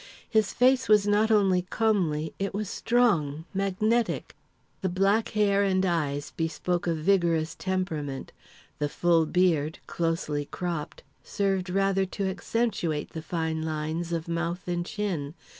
His face was not only comely, it was strong, magnetic. The black hair and eyes bespoke a vigorous temperament; the full beard, closely cropped, served rather to accentuate the fine lines of mouth and chin.